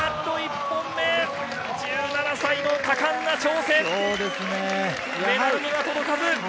１７歳の果敢な挑戦、メダルには届かず。